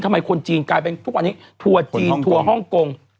ทำไมคนจีนทั่วจีนทั่วฮ่องโกง